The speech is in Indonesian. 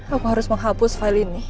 aku harus menghapus file ini